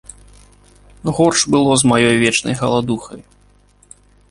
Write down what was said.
Горш было з маёй вечнай галадухай.